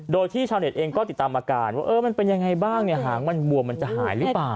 โดยที่ชาวเน็ตเองก็ติดตามอาการว่าเออมันเป็นยังไงบ้างเนี่ยหางมันบวมมันจะหายหรือเปล่า